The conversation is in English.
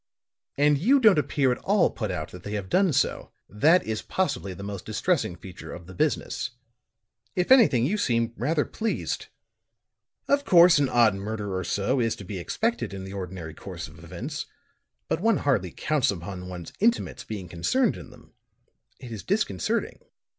"And you don't appear at all put out that they have done so. That is possibly the most distressing feature of the business. If anything, you seem rather pleased. Of course, an odd murder or so is to be expected in the ordinary course of events; but one hardly counts upon one's intimates being concerned in them. It is disconcerting."